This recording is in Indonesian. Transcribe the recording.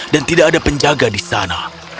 dan tidak ada penjaga di sana